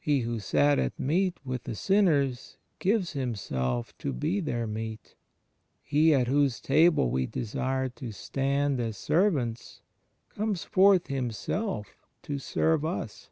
He who sat at meat with the sinners gives Himself to be their meat. He at Whose table we desire to stand as servants comfes forth Himself to serve us.